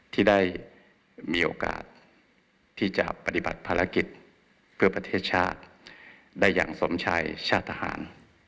ที่ได้มีโอกาสที่จะปฏิบัติภารกิจเพื่อประเทศชาติได้อย่างสมชายชาติทหาร